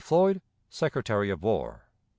Floyd, Secretary of War."